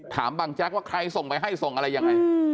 บางแจ๊กว่าใครส่งไปให้ส่งอะไรยังไง